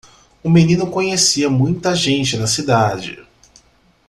O menino conhecia muita gente na cidade.